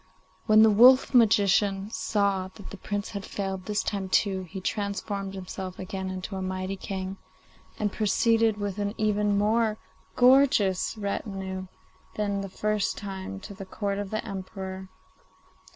When the wolf magician saw that the Prince had failed this time too, he transformed himself again into a mighty king, and proceeded with an even more gorgeous retinue than the first time to the Court of the Emperor.